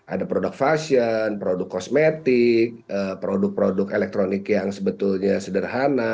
ada produk fashion produk kosmetik produk produk elektronik yang sebetulnya sederhana